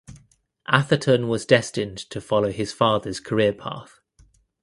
Atherton was destined to follow his father’s career path.